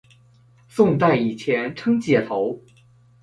宋代以前称解头。